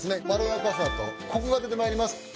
まろやかさとコクが出てまいります。